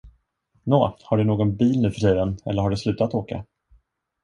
Nå, har du någon bil nuförtiden eller har du slutat åka?